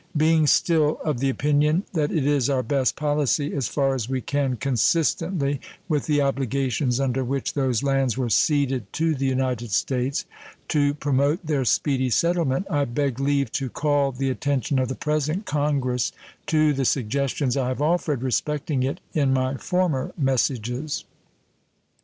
Being still of the opinion that it is our best policy, as far as we can consistently with the obligations under which those lands were ceded to the United States, to promote their speedy settlement, I beg leave to call the attention of the present Congress to the suggestions I have offered respecting it in my former messages.